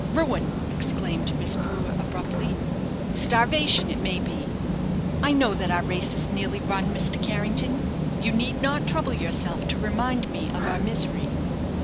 "Ruin!" exclaimed Miss Brewer, abruptly; "starvation it may be. I know that our race is nearly run, Mr. Carrington. You need not trouble yourself to remind me of our misery."